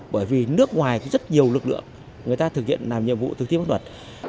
bởi vì nước ngoài có rất nhiều lực lượng người ta thực hiện làm nhiệm vụ thực thi pháp luật